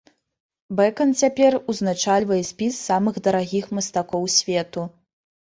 Бэкан цяпер узначальвае спіс самых дарагіх мастакоў свету.